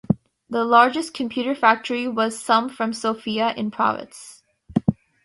The largest computer factory was some from Sofia, in Pravetz.